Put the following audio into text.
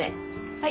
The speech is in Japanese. はい。